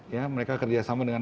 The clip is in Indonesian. ya mereka kerjasama dengan